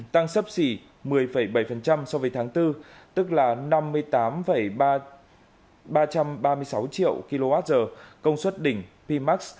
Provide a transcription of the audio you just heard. tăng sấp xỉ một mươi bảy so với tháng bốn tức là năm mươi tám ba trăm ba mươi sáu triệu kwh công suất đỉnh pimax